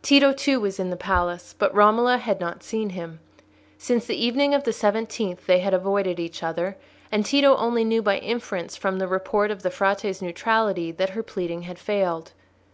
Tito, too, was in the palace; but Romola had not seen him. Since the evening of the seventeenth they had avoided each other, and Tito only knew by inference from the report of the Frate's neutrality that her pleading had failed.